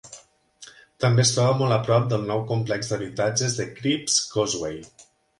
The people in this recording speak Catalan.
També es troba molt a prop del nou complex d'habitatges de Cribbs Causeway.